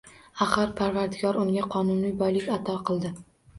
Axir Parvardigor unga qonuniy boylik ato qildi